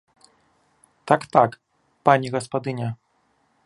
Так, так, пані гаспадыня!